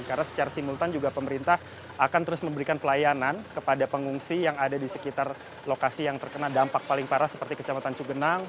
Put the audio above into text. karena secara simultan juga pemerintah akan terus memberikan pelayanan kepada pengungsi yang ada di sekitar lokasi yang terkena dampak paling parah seperti kecamatan cugenang